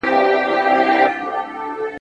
پر سینه یې د تیرې مشوکي وار سو `